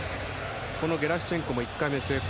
ゲラシチェンコも１回目、成功。